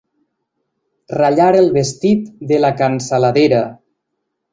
Ratllar el vestit de la cansaladera.